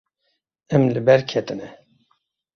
Em li ber ketine.